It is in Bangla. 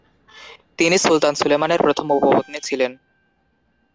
তিনি সুলতান সুলেমানের প্রথম উপপত্নী ছিলেন।